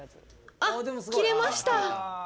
あっ、切れました。